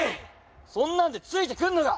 そんなんでついてくんのか？